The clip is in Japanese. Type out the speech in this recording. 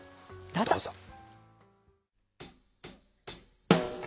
どうぞ。